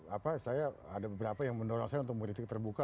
apa saya ada beberapa yang mendorong saya untuk mengkritik terbuka